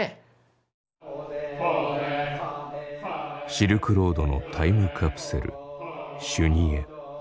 シルクロードのタイムカプセル修二会。